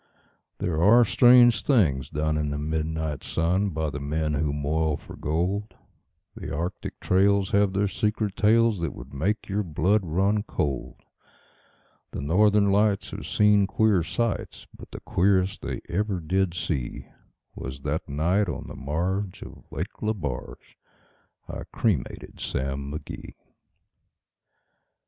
There are strange things done in the midnight sun By the men who moil for gold; The Arctic trails have their secret tales That would make your blood run cold; The Northern Lights have seen queer sights, But the queerest they ever did see Was that night on the marge of Lake Lebarge I cremated Sam McGee.